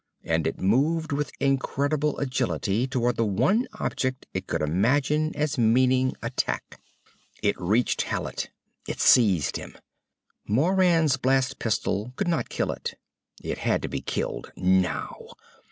And it moved with incredible agility toward the one object it could imagine as meaning attack. It reached Hallet. It seized him. Moran's blast pistol could not kill it. It had to be killed. Now!